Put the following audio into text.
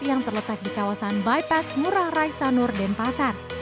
yang terletak di kawasan bypass murah rai sanur dan pasar